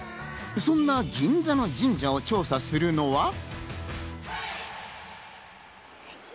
そんな銀座の神社を調査するのは。